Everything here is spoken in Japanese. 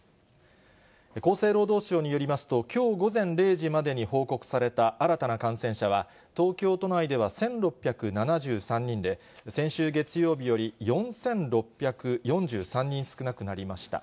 厚生労働省によりますと、きょう午前０時までに報告された新たな感染者は、東京都内では１６７３人で、先週月曜日より４６４３人少なくなりました。